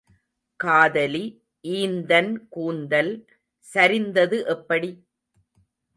காதலி ஈந்தின் கூந்தல் சரிந்தது எப்படி?